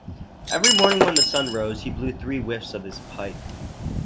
Every morning when the sun rose he blew three whiffs of his pipe.